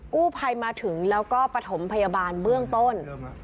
กู้ภัยมาถึงแล้วก็ปฐมพยาบาลเบื้องต้น